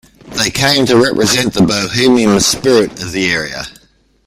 They came to represent the bohemian spirit of the area.